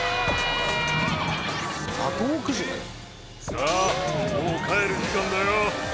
さあもう帰る時間だよ。